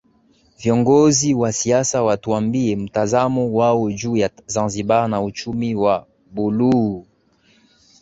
Viongozi wa siasa watuambie Mtazamo wao juu ya Zanzibar na uchumi wa buluu